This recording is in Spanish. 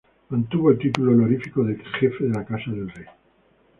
Mantuvo el título honorífico de Jefe de la Casa del Rey.